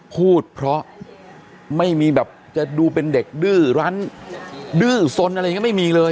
พูดเพราะไม่มีแบบจะดูเป็นเด็กดื้อรั้นดื้อสนอะไรอย่างนี้ไม่มีเลย